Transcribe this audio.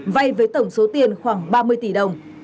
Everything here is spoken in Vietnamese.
vay với tổng số tiền khoảng ba mươi tỷ đồng